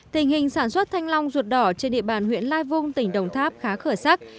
tình hình sản xuất thanh long ruột đỏ trên địa bàn huyện lai vung tỉnh đồng tháp khá khởi sắc